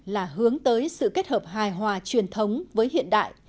là hướng tới sự kết hợp hài hòa truyền thống với hiện đại